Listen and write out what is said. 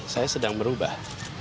saya sedang berubah